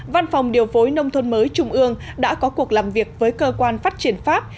văn phòng điều phối nông thôn mới trung ương đã có cuộc làm việc với cơ quan phát triển pháp